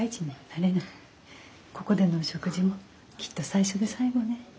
ここでのお食事もきっと最初で最後ね。